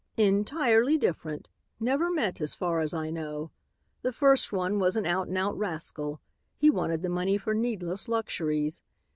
"Entirely different; never met, as far as I know. The first one was an out and out rascal; he wanted the money for needless luxuries.